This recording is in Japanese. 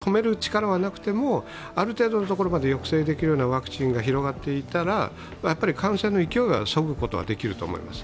ところがワクチン接種が全く感染を止める力はなくてもある程度のところまで抑制できるようなワクチンが広がっていたらやはり感染の勢いはそぐことはできると思います。